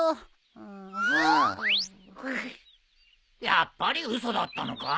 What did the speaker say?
やっぱり嘘だったのか？